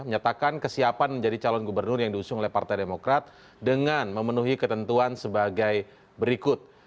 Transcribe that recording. menyatakan kesiapan menjadi calon gubernur yang diusung oleh partai demokrat dengan memenuhi ketentuan sebagai berikut